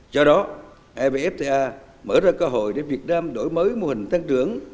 do đó evfta mở ra cơ hội để việt nam đổi mới mô hình tăng trưởng